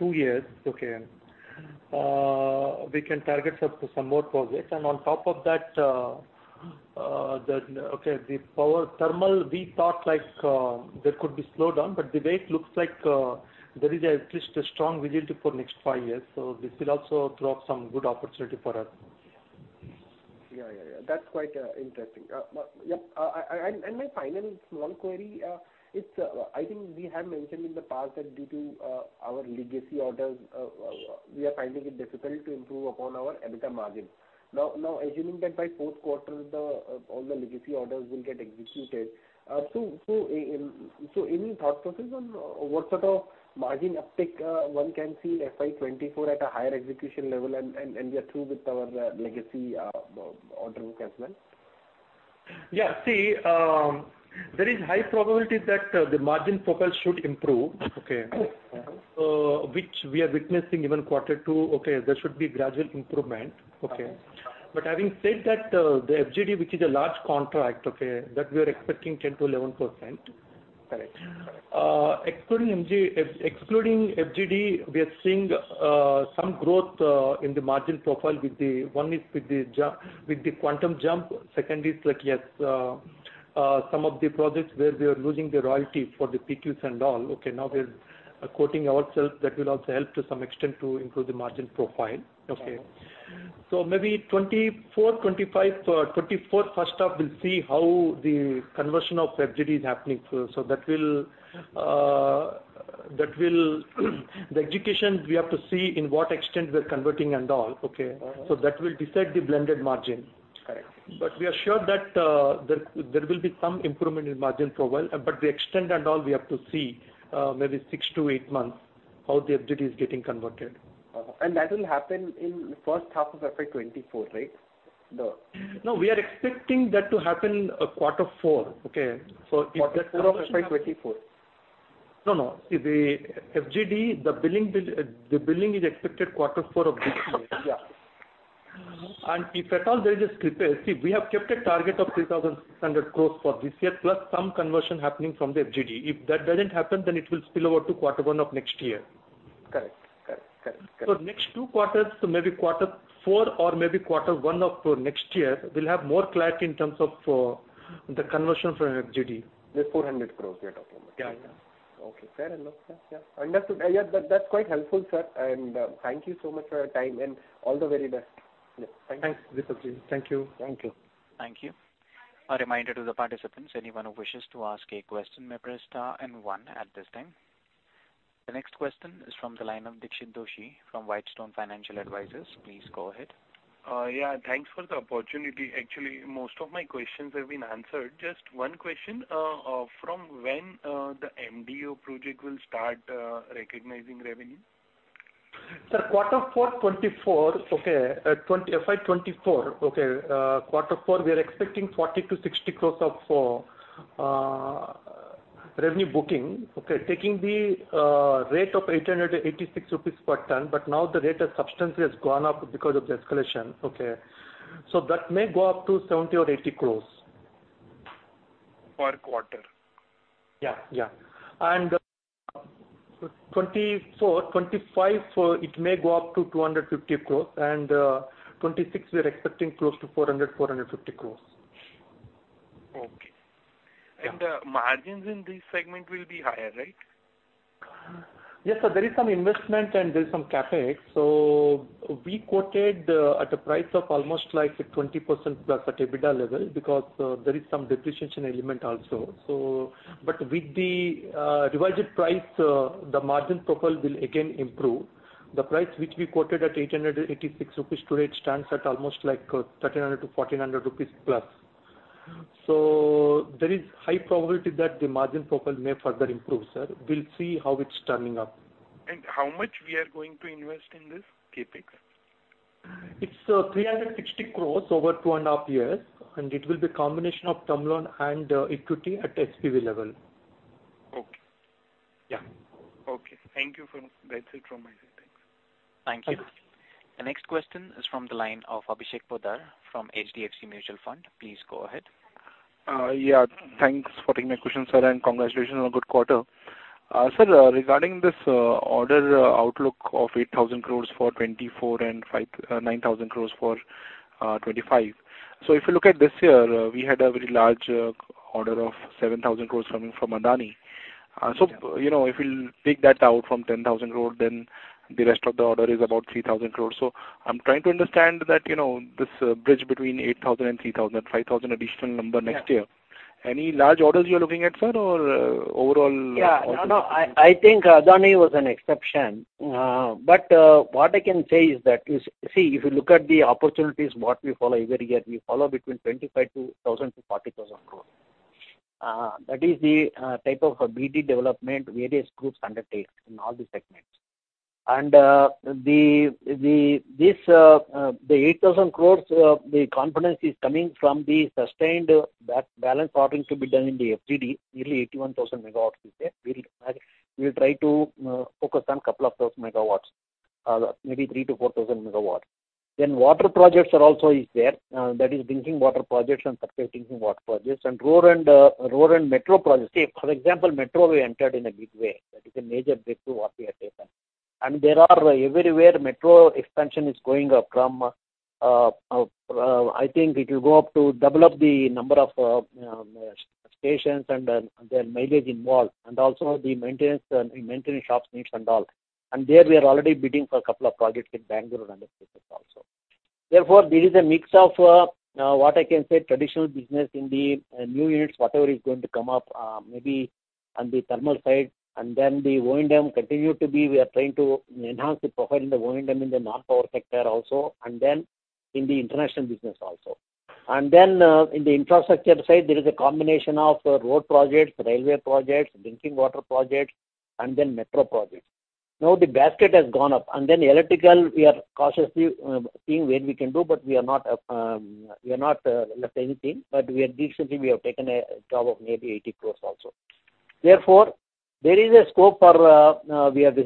years, okay. We can target some, some more projects, and on top of that, the, okay, the power thermal, we thought, like, there could be slowdown, but the way it looks like, there is at least a strong visibility for next five years, so this will also drop some good opportunity for us.
Yeah, yeah, yeah. That's quite interesting. But yep, I and my final small query, it's, I think we have mentioned in the past that due to our legacy orders, we are finding it difficult to improve upon our EBITDA margin. Now, assuming that by fourth quarter, all the legacy orders will get executed, so any thought process on what sort of margin uptick one can see in FY 2024 at a higher execution level and we are through with our legacy order book as well?
Yeah, see, there is high probability that the margin profile should improve, okay, which we are witnessing even quarter two, okay? There should be gradual improvement, okay. But having said that, the FGD, which is a large contract, okay, that we are expecting 10%-11%.
Correct.
Excluding FGD, we are seeing some growth in the margin profile with the, one is with the jump, with the quantum jump. Second is like, yes, some of the projects where we are losing the royalty for the PQs and all, okay, now we're quoting ourselves. That will also help to some extent to improve the margin profile. Okay.
Uh-huh.
Maybe 2024, 2025, 2024 first half, we'll see how the conversion of FGD is happening. So that will, that will the execution, we have to see in what extent we're converting and all, okay?
Uh-huh.
That will decide the blended margin.
Correct.
We are sure that there will be some improvement in margin profile, but the extent and all, we have to see, maybe six to eight months, how the FGD is getting converted.
Uh-huh. And that will happen in the first half of FY 2024, right?
No, we are expecting that to happen, quarter four, okay? If that-
Quarter four of FY 2024.
No, no. If the FGD, the billing bill, the billing is expected quarter four of this year.
Yeah.
If at all there is a slippage... See, we have kept a target of 3,600 crore for this year, plus some conversion happening from the FGD. If that doesn't happen, then it will spill over to quarter one of next year.
Correct. Correct, correct, correct.
So next two quarters, so maybe quarter four or maybe quarter one of next year, we'll have more clarity in terms of the conversion from FGD.
The 400 crore we are talking about.
Yeah, yeah.
Okay, fair enough. Yeah, yeah. Understood. Yeah, that's quite helpful, sir, and thank you so much for your time, and all the very best. Yeah. Thank you.
Thanks, Vipin. Thank you.
Thank you.
Thank you. A reminder to the participants, anyone who wishes to ask a question, may press star and one at this time. The next question is from the line of Dixit Doshi from Whitestone Financial Advisors. Please go ahead.
Yeah, thanks for the opportunity. Actually, most of my questions have been answered. Just one question, from when the MDO project will start recognizing revenue?
Sir, quarter four 2024, okay, FY 2024, okay, quarter four, we are expecting 40 crores-60 crores of revenue booking, okay, taking the rate of 886 rupees per ton, but now the rate has substantially gone up because of the escalation, okay. So that may go up to 70 crores or 80 crores.
Per quarter?
Yeah, yeah. And, 2024-2025, it may go up to 250 crores, and, 2026, we are expecting close to 400 crores-450 crores.
Okay.
Yeah.
The margins in this segment will be higher, right?
Yes, sir, there is some investment and there is some CapEx. So we quoted at a price of almost like a 20%+ at EBITDA level, because there is some depreciation element also. But with the revised price, the margin profile will again improve. The price which we quoted at 886 rupees, today it stands at almost like 1,300-1,400+ rupees. So there is high probability that the margin profile may further improve, sir. We'll see how it's turning up.
How much we are going to invest in this CapEx?
It's 360 crores over 2.5 years, and it will be a combination of term loan and equity at SPV level.
Okay.
Yeah.
Okay, thank you for... That's it from my side. Thanks.
Thank you. The next question is from the line of Abhishek Poddar from HDFC Mutual Fund. Please go ahead.
Yeah, thanks for taking my question, sir, and congratulations on a good quarter. Sir, regarding this order outlook of 8,000 crore for 2024 and 2025, 9,000 crore for 2025. So if you look at this year, we had a very large order of 7,000 crore coming from Adani.
Yeah.
So, you know, if we'll take that out from 10,000 crore, then the rest of the order is about 3,000 crore. So I'm trying to understand that, you know, this bridge between 8,000 crore and 3,000 crore, 5,000 crore additional number next year.
Yeah.
Any large orders you are looking at, sir, or overall?
Yeah. No, no, I think Adani was an exception. But what I can say is that, you see, if you look at the opportunities, what we follow every year, we follow between 25,000-40,000 crore. That is the type of a BD development various groups undertake in all the segments. And the eight thousand crores, the confidence is coming from the sustained balance ordering to be done in the FGD, nearly 81,000 MW is there. We'll try to focus on couple of those megawatts, maybe 3,000 MW-4,000 MW. Then water projects are also is there, that is drinking water projects and surface drinking water projects, and road and road and metro projects. See, for example, metro, we entered in a big way. That is a major breakthrough what we have taken. There are everywhere, metro expansion is going up from, I think it will go up to double up the number of stations and their mileage involved, and also the maintenance shops needs and all. There we are already bidding for a couple of projects in Bangalore and other places also. Therefore, there is a mix of what I can say, traditional business in the new units, whatever is going to come up, maybe on the thermal side, and then the O&M continue to be. We are trying to enhance the profile in the O&M in the non-power sector also, and then in the international business also. And then, in the infrastructure side, there is a combination of road projects, railway projects, drinking water projects, and then metro projects. Now, the basket has gone up, and then electrical, we are cautiously seeing where we can do, but we are not, we are not left anything, but we are recently, we have taken a job of maybe 80 crore also. Therefore, there is a scope for, we have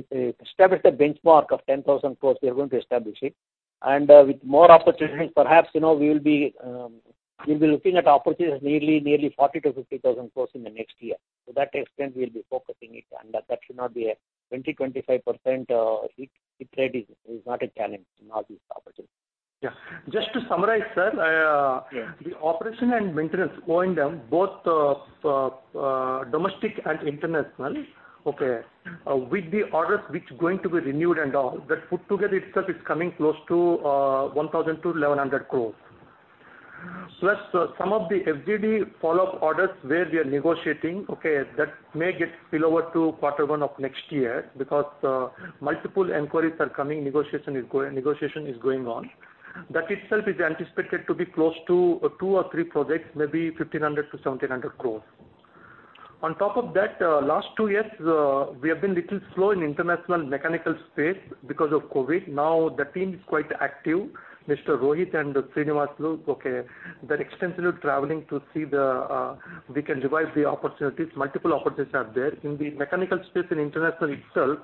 established a benchmark of 10,000 crore. We are going to establish it. And, with more opportunities, perhaps, you know, we will be, we'll be looking at opportunities nearly, nearly 40,000 crore-50,000 crore in the next year. To that extent, we will be focusing it, and that should not be a 20%-25% hit rate is not a challenge in all these opportunities.
Yeah. Just to summarize, sir,
Yeah.
The operation and maintenance, O&M, both domestic and international, with the orders which are going to be renewed and all, that put together itself is coming close to 1,000 crore-1,100 crore. Plus, some of the FGD follow-up orders where we are negotiating, that may get spill over to quarter one of next year, because multiple inquiries are coming, negotiation is going on. That itself is anticipated to be close to two or three projects, maybe 1,500 crore-1,700 crore. On top of that, last two years, we have been little slow in international mechanical space because of COVID. Now, the team is quite active. Mr. Rohit and Srinivas, look, they’re extensively traveling to see the, we can revise the opportunities. Multiple opportunities are there. In the mechanical space in international itself,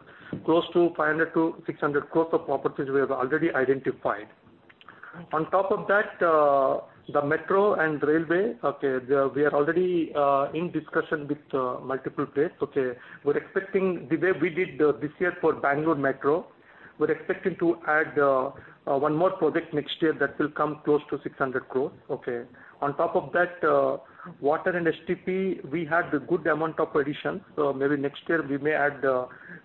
close to 500 crores-600 crores of opportunities we have already identified. On top of that, the metro and railway, okay, we are already in discussion with multiple players, okay? We're expecting the way we did this year for Bangalore Metro. We're expecting to add one more project next year that will come close to 600 crores, okay. On top of that, water and STP, we had a good amount of addition. So maybe next year we may add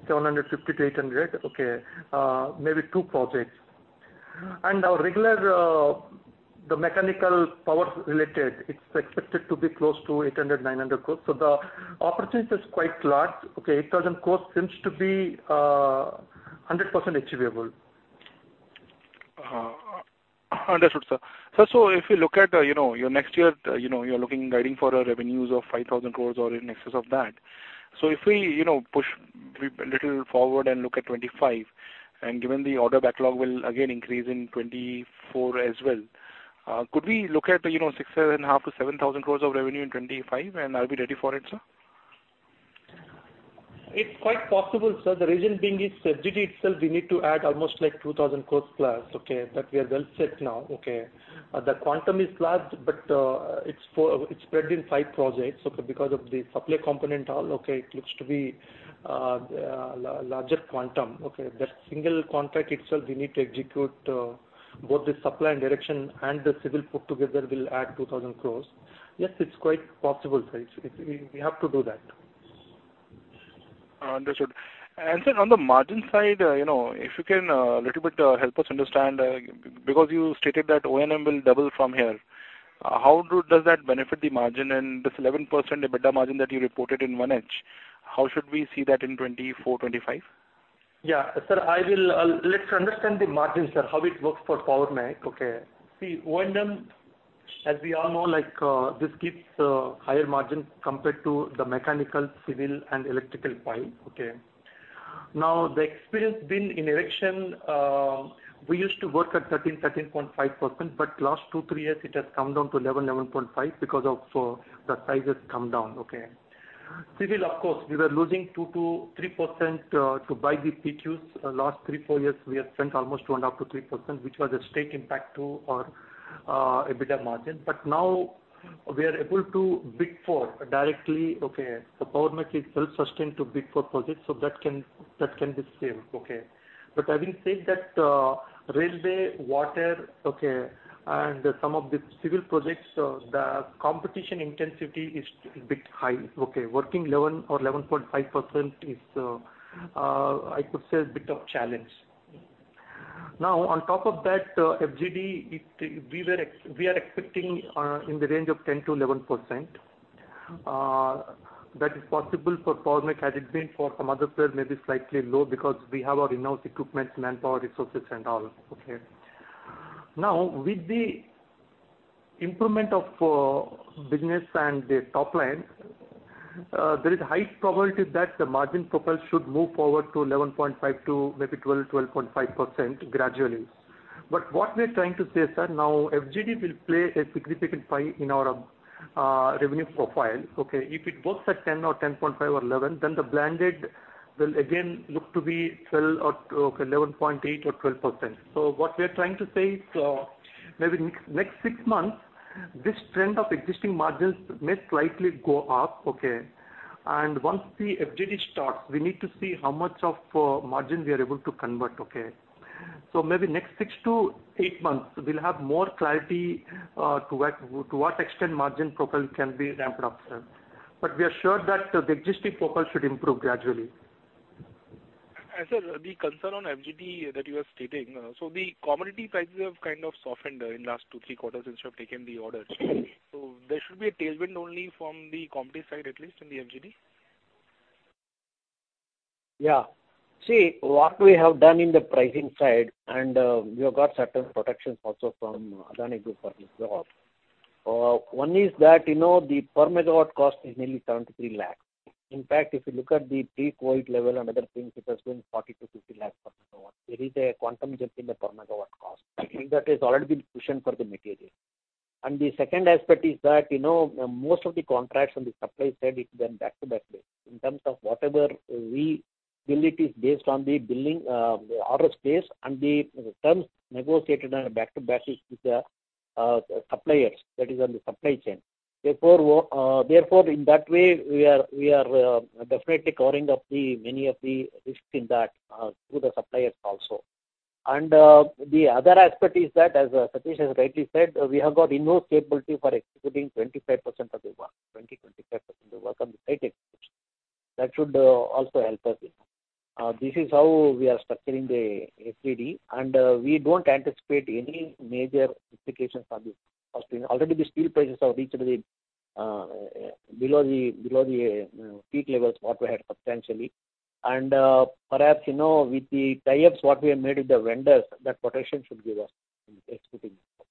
750 crores-800 crores, okay, maybe two projects. And our regular the mechanical power related, it's expected to be close to 800 crores-900 crores. So the opportunities is quite large. Okay, 8,000 crores seems to be 100% achievable.
Understood, sir. Sir, so if you look at, you know, your next year, you know, you're looking, guiding for revenues of 5,000 crore or in excess of that. So if we, you know, push a little forward and look at 2025, and given the order backlog will again increase in 2024 as well, could we look at, you know, 6,500 crore-7,000 crore of revenue in 2025, and are we ready for it, sir?
It's quite possible, sir. The reason being is FGD itself, we need to add almost like 2,000 crore plus, okay? But we are well set now, okay. The quantum is large, but it's spread in five projects. So because of the supply component all, okay, it looks to be larger quantum, okay. That single contract itself, we need to execute both the supply and direction and the civil put together will add 2,000 crore. Yes, it's quite possible, sir. It's, it's we, we have to do that.
Understood. Sir, on the margin side, you know, if you can, little bit, help us understand, because you stated that O&M will double from here. How does that benefit the margin and this 11% EBITDA margin that you reported in 1H, how should we see that in 2024, 2025?
Yeah. Sir, I will, let's understand the margin, sir, how it works for Power Mech, okay? See, O&M, as we all know, like, this keeps higher margin compared to the mechanical, civil, and electrical pile, okay? Now, the experience been in erection, we used to work at 13%, 13.5%, but last two to three years, it has come down to 11%, 11.5% because of, the size has come down, okay. Civil, of course, we were losing 2%-3% to buy the PQs. Last three to four years, we have spent almost around up to 3%, which was a straight impact to our, EBITDA margin. But now, we are able to bid for directly, okay, so Power Mech is well sustained to bid for projects, so that can, that can be same, okay? But having said that, railway, water, okay, and some of the civil projects, the competition intensity is a bit high, okay? Working 11% or 11.5% is, I could say, a bit of a challenge. Now, on top of that, FGD, we are expecting in the range of 10%-11%. That is possible for Power Mech, as it's been for some other players, maybe slightly low, because we have our in-house equipment, manpower, resources, and all, okay. Now, with the improvement of business and the top line, there is high probability that the margin profile should move forward to 11.5% to maybe 12%, 12.5% gradually. But what we're trying to say, sir, now FGD will play a significant role in our revenue profile, okay? If it works at 10% or 10.5% or 11%, then the blended will again look to be 12% or, okay, 11.8%-12%. So what we are trying to say is, maybe next six months, this trend of existing margins may slightly go up, okay? And once the FGD starts, we need to see how much of margin we are able to convert, okay? So maybe next six to eight months, we'll have more clarity to what extent margin profile can be ramped up, sir. But we are sure that the existing profile should improve gradually.
Sir, the concern on FGD that you are stating, so the commodity prices have kind of softened in last two-three quarters since you have taken the orders. So there should be a tailwind only from the commodity side, at least in the FGD?
Yeah. See, what we have done in the pricing side, and we have got certain protections also from Adani Group for this job. One is that, you know, the per megawatt cost is nearly 23 lakhs. In fact, if you look at the pre-COVID level and other things, it has been 40 lakhs-50 lakhs per MW. There is a quantum jump in the per megawatt cost. I think that has already been cushioned for the material. And the second aspect is that, you know, most of the contracts on the supply side, it's done back-to-back base. In terms of whatever we bill it is based on the billing, order specs, and the terms negotiated on a back-to-back basis with the suppliers, that is on the supply chain. Therefore, therefore, in that way, we are, we are, definitely covering up the many of the risks in that, through the suppliers also. And, the other aspect is that, as, Satish has rightly said, we have got in-house capability for executing 25% of the work, 25%, 25% of the work on the site execution. That should, also help us. This is how we are structuring the SPV, and, we don't anticipate any major implications on the cost. Already the steel prices have reached the, below the, below the, peak levels what we had substantially. And, perhaps, you know, with the tie-ups, what we have made with the vendors, that protection should give us in executing this.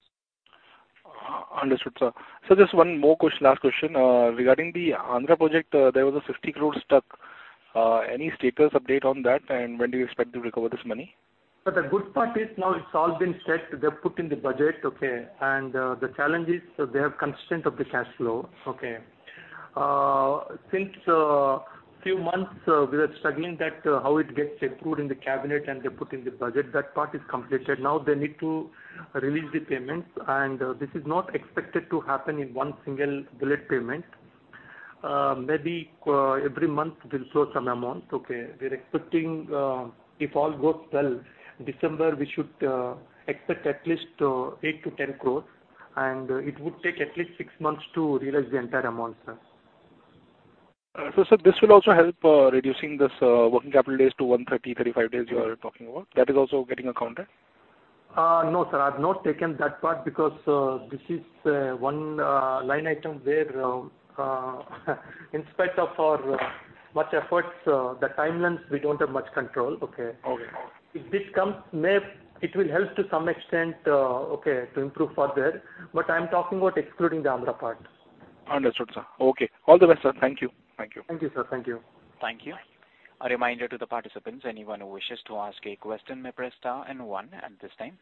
Understood, sir. So just one more question, last question. Regarding the Andhra project, there was a 60 crore stuck. Any status update on that, and when do you expect to recover this money?
The good part is now it's all been set. They've put in the budget, okay? The challenge is they have constraint of the cash flow, okay. Since few months, we are struggling that how it gets approved in the cabinet and they put in the budget. That part is completed. Now they need to release the payments, and this is not expected to happen in one single bullet payment. Maybe every month they'll show some amount, okay? We're expecting, if all goes well, December, we should expect at least 8 crores-10 crores, and it would take at least six months to realize the entire amount, sir.
Sir, this will also help reducing this working capital days to 130-135 days you are talking about. That is also getting accounted?
No, sir, I've not taken that part because this is one line item where, in spite of our much efforts, the timelines, we don't have much control, okay?
Okay.
If this comes, it will help to some extent to improve further, but I'm talking about excluding the Andhra part.
Understood, sir. Okay. All the best, sir. Thank you. Thank you.
Thank you, sir. Thank you.
Thank you. A reminder to the participants, anyone who wishes to ask a question, may press star and one at this time.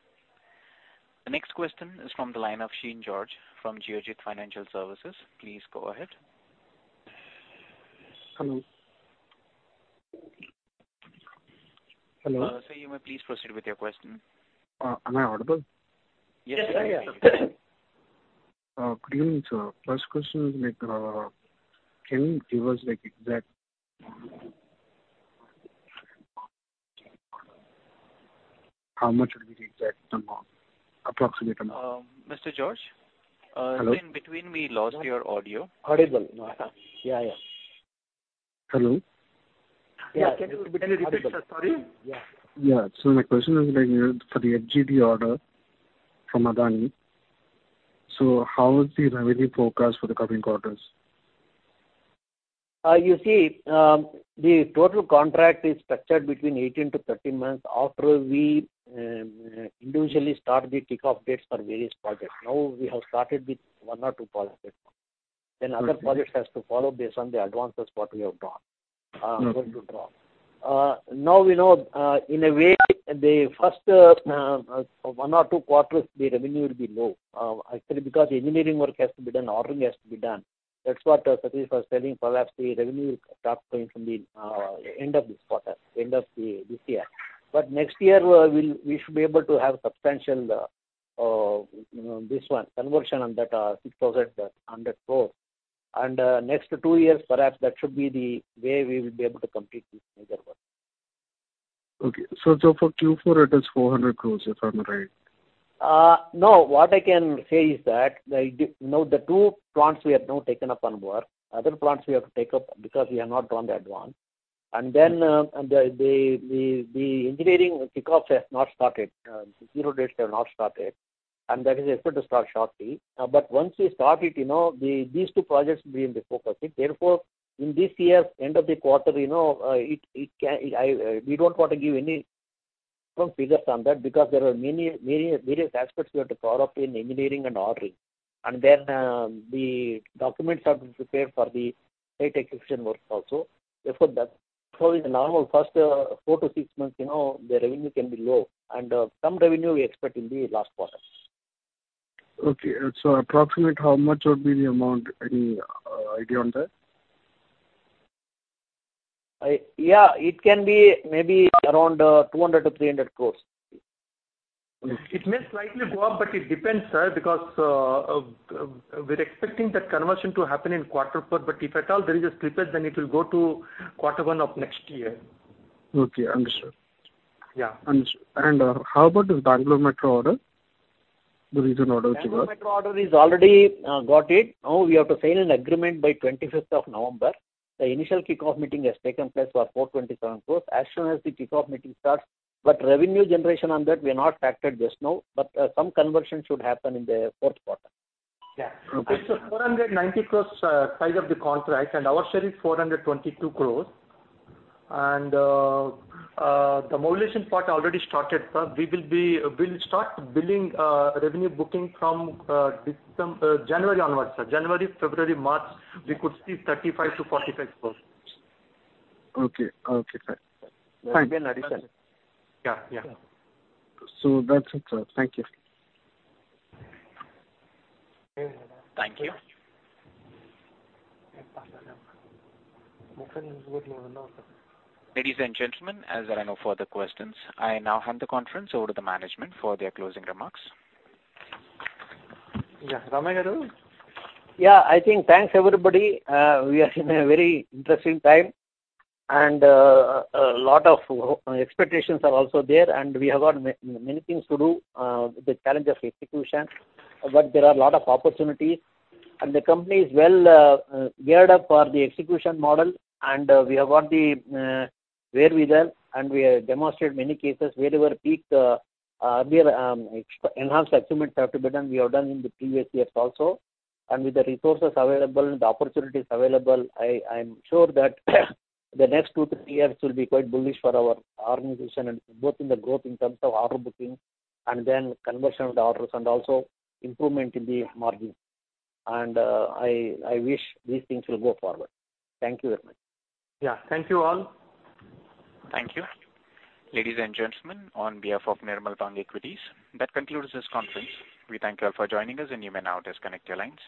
The next question is from the line of Sheena George from Geojit Financial Services. Please go ahead.
Hello?
Sir, you may please proceed with your question.
Am I audible?
Yes, sir. Yeah.
Good evening, sir. First question is, like, can you give us, like, exact... How much would be the exact amount, approximate amount?
Mr. George?
Hello.
In between, we lost your audio.
Audible. No, yeah, yeah.
Hello?
Yeah, can you repeat, sir? Sorry.
Yeah. My question is, like, for the FGD order from Adani, how is the revenue forecast for the coming quarters?
You see, the total contract is structured between 18-30 months after we individually start the kickoff dates for various projects. Now, we have started with one or two projects.
Mm-hmm.
Then other projects has to follow based on the advances what we have drawn, going to draw.
Mm-hmm.
Now we know, in a way, the first one or two quarters, the revenue will be low, actually, because engineering work has to be done, ordering has to be done. That's what Satish was telling, perhaps the revenue will start flowing from the end of this quarter, end of this year. But next year, we should be able to have substantial this one conversion on that 600 crores. And next two years, perhaps that should be the way we will be able to complete this major work.
Okay. So, for Q4, it is 400 crore, if I'm right?
No, what I can say is that, like, the two plants we have now taken up on board, other plants we have to take up because we have not drawn the advance. And then, the engineering kickoff has not started, zero dates have not started, and that is expected to start shortly. But once we start it, you know, these two projects will be in the focus. Therefore, in this year, end of the quarter, you know, it can... We don't want to give any firm figures on that, because there are many various aspects we have to project in engineering and ordering. And then, the documents have to be prepared for the site execution work also. Therefore, that's how in the normal first 4-6 months, you know, the revenue can be low, and some revenue we expect in the last quarter.
Okay. So approximate, how much would be the amount? Any idea on that?
Yeah, it can be maybe around 200 crores-300 crores. It may slightly go up, but it depends, sir, because we're expecting that conversion to happen in quarter four. But if at all there is a slippage, then it will go to quarter one of next year.
Okay, understood.
Yeah.
Understood. How about the Bangalore Metro order? The recent order which you got.
Bangalore Metro order is already, got it. Now, we have to sign an agreement by 25th of November. The initial kickoff meeting has taken place for 427 crore. As soon as the kickoff meeting starts, but revenue generation on that, we are not factored just now, but, some conversion should happen in the fourth quarter.
Yeah. It's a 490 crore size of the contract, and our share is 422 crore. And, the mobilization part already started, sir. We will be-- We'll start billing, revenue booking from, December, January onwards, sir. January, February, March, we could see 35 crore-45 crore.
Okay. Okay, fine. Thank you.
Yeah. Yeah.
That's it, sir. Thank you.
Thank you. Ladies and gentlemen, as there are no further questions, I now hand the conference over to the management for their closing remarks.
Yeah, Rama garu? Yeah, I think thanks, everybody. We are in a very interesting time, and a lot of expectations are also there, and we have got many things to do with the challenge of execution. But there are a lot of opportunities, and the company is well geared up for the execution model. And we have got the wherewithal, and we have demonstrated many cases where our peak enhanced estimates have to be done, we have done in the previous years also. And with the resources available and the opportunities available, I, I'm sure that the next two to three years will be quite bullish for our organization and both in the growth in terms of order booking and then conversion of the orders and also improvement in the margin. I wish these things will go forward. Thank you very much.
Yeah. Thank you, all.
Thank you. Ladies and gentlemen, on behalf of Nirmal Bang Equities, that concludes this conference. We thank you all for joining us, and you may now disconnect your lines.